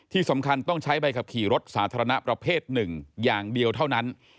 ที่สำคัญต้องใช้ใบขับขี่รถสาธารณะประเภทหนึ่งอย่างเดียวเท่านั้น